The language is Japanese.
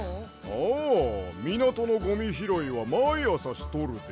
ああみなとのゴミひろいはまいあさしとるで。